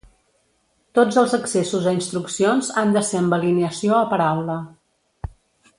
Tots els accessos a instruccions han de ser amb alineació a paraula.